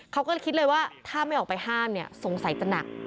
เขาก็เลยคิดเลยว่าถ้าไม่ออกไปห้ามเนี่ยสงสัยจะหนัก